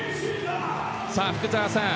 福澤さん